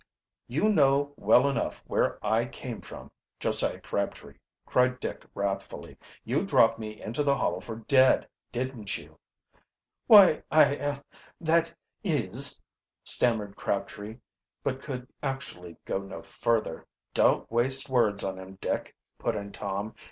"You know well enough where I came from, Josiah Crabtree," cried Dick wrathfully. "You dropped me into the hollow for dead, didn't you!" "Why, I er that is " stammered Crabtree; but could actually go no further. "Don't waste words on him, Dick," put in Tom.